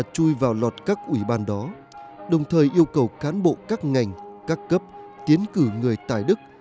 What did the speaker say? các ủy ban đó đồng thời yêu cầu cán bộ các ngành các cấp tiến cử người tài đức